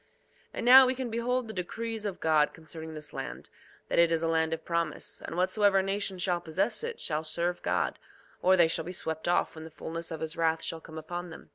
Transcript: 2:9 And now, we can behold the decrees of God concerning this land, that it is a land of promise; and whatsoever nation shall possess it shall serve God, or they shall be swept off when the fulness of his wrath shall come upon them.